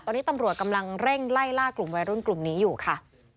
ตอนนี้ตำรวจกำลังเร่งไล่ล่ากลุ่มวัยรุ่นกลุ่มนี้อยู่ค่ะ